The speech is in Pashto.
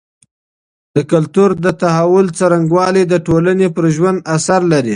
د کلتور د تحول څرنګوالی د ټولني پر ژوند اثر لري.